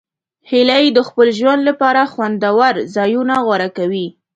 هیلۍ د خپل ژوند لپاره خوندور ځایونه غوره کوي